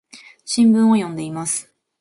新聞を読んでいます。